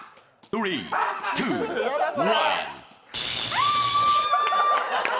あ！